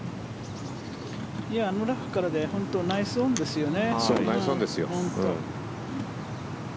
あのラフからでナイスオンですよね。